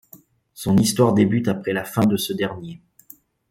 Son histoire débute après la fin de ce dernier.